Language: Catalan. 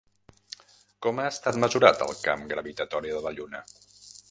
Com ha estat mesurat el camp gravitatori de la Lluna?